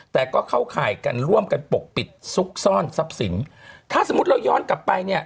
แต่ก็เข้าข่ายกันร่วมกันปกปิดซุกซ่อนทรัพย์สินถ้าสมมุติเราย้อนกลับไปเนี่ย